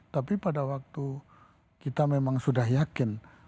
tapi pada waktu kita memang sudah yakin